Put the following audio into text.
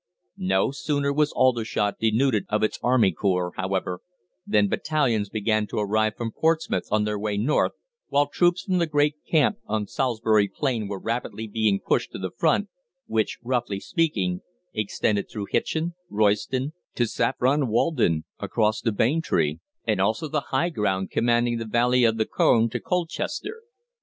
No sooner was Aldershot denuded of its army corps, however, than battalions began to arrive from Portsmouth on their way north, while troops from the great camp on Salisbury Plain were rapidly being pushed to the front, which, roughly speaking, extended through Hitchin, Royston, to Saffron Walden, across to Braintree, and also the high ground commanding the valley of the Colne to Colchester.